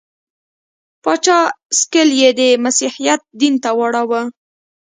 پاچا سکل یې د مسیحیت دین ته واړاوه.